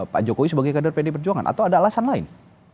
pak jokowi sebagai kader pdi perjuangan atau ada alasan lain